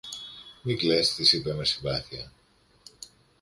Μην κλαις, της είπε με συμπάθεια.